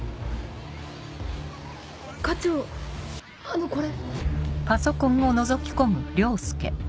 課長あのこれ。